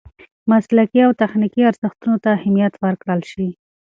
مسلکي او تخنیکي ارزښتونو ته اهمیت ورکړل شي.